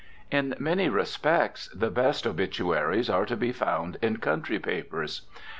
In many respects, the best obituaries are to be found in country papers.